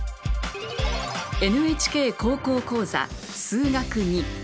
「ＮＨＫ高校講座数学Ⅱ」。